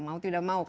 mau tidak mau